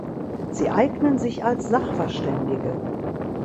Sie eignen sich als Sachverständige.